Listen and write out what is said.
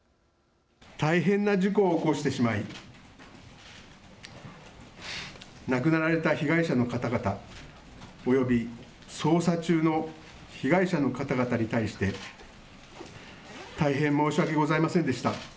大変な事故を起こしてしまい亡くなられた被害者の方々および捜査中の被害者の方々に対して大変申し訳ございませんでした。